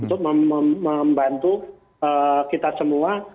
untuk membantu kita semua